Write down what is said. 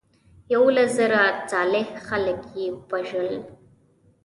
یولس زره صالح خلک یې وژل.